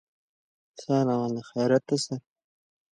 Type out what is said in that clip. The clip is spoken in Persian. دیدمان چم شناختی